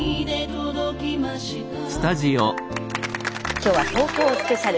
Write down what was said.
今日は「東京スペシャル」